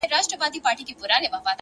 هوښیار انتخاب وخت سپموي,